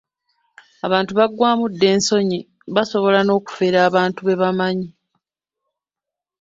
Abantu baggwaamu dda ensonyi, basobola n'okufera abantu be bamanyi.